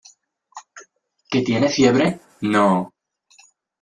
¿ que tiene fiebre? no.